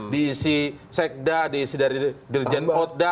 diisi sekda diisi dari dirijen oda